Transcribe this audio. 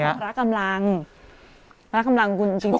คุณชุวิตก็ออกกำลังกายตลอด